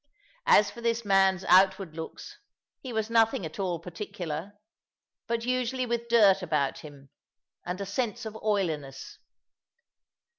As for this man's outward looks, he was nothing at all particular, but usually with dirt about him, and a sense of oiliness.